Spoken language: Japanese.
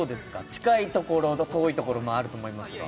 近いところと遠いところもあると思うんですが。